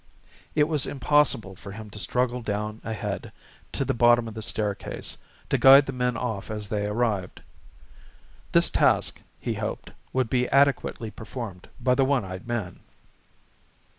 It was impossible for him to struggle down ahead, to the bottom of the staircase, to guide the men off as they arrived. This task, he hoped, would be adequately performed by the one eyed man.